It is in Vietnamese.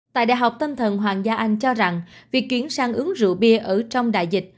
tại đại học tâm thần hoàng gia anh cho rằng việc chuyển sang uống rượu bia ở trong đại dịch